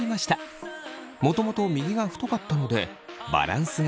もともと右が太かったのでバランスがよくなりました。